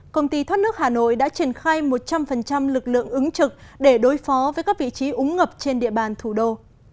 công ty thoát nước hà nội đã triển khai một trăm linh lực lượng ứng trực để đối phó với các vị trí úng ngập trên địa bàn thủ đô